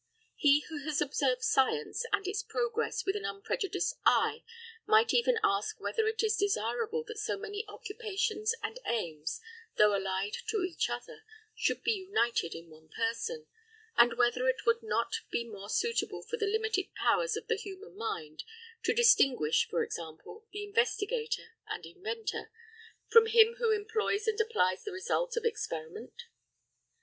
He who has observed science and its progress with an unprejudiced eye, might even ask whether it is desirable that so many occupations and aims, though allied to each other, should be united in one person, and whether it would not be more suitable for the limited powers of the human mind to distinguish, for example, the investigator and inventor, from him who employs and applies the result of experiment?